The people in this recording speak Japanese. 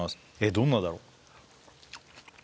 どんなだろう？